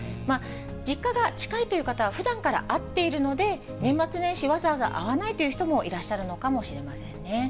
実家が近いという方はふだんから会っているので、年末年始わざわざ会わないという人もいらっしゃるのかもしれませんね。